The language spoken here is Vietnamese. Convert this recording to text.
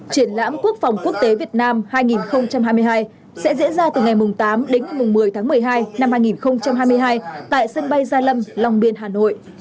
triển lãm quốc phòng quốc tế việt nam hai nghìn hai mươi hai sẽ diễn ra từ ngày tám đến ngày một mươi tháng một mươi hai năm hai nghìn hai mươi hai tại sân bay gia lâm long biên hà nội